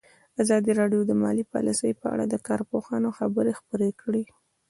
ازادي راډیو د مالي پالیسي په اړه د کارپوهانو خبرې خپرې کړي.